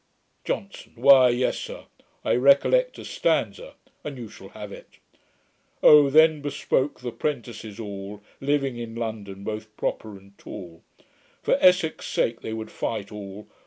JOHNSON. 'Why, yes, sir, I recollect a stanza, and you shall have it: "O! then bespoke the prentices all, Living in London, both proper and tall, For Essex's sake they would fight all.